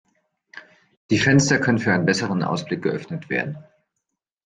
Die Fenster können für einen besseren Ausblick geöffnet werden.